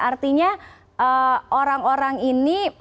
artinya orang orang ini